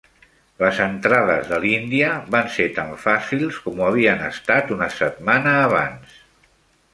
Les entrades de l'Índia van ser tan fàcils com ho havien estat una setmana abans.